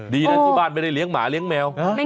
ดีนะที่บ้านไม่ได้เลี้ยงหมาเลี้ยงแมว